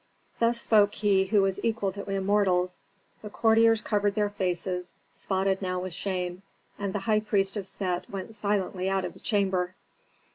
Thus spoke he who was equal to immortals. The courtiers covered their faces, spotted now with shame, and the high priest of Set went silently out of the chamber.